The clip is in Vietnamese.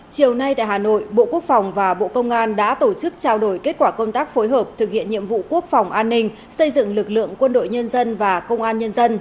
chiều nay tại hà nội bộ quốc phòng và bộ công an đã tổ chức trao đổi kết quả công tác phối hợp thực hiện nhiệm vụ quốc phòng an ninh xây dựng lực lượng quân đội nhân dân và công an nhân dân